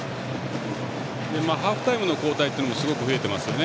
ハーフタイムの交代っていうのもすごく増えていますよね。